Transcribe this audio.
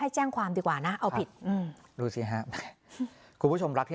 คือเขาได้ทรัพย์สินไว้ด้วยใช่มั้ยครับ